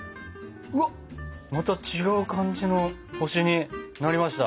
うわっまた違う感じの星になりました！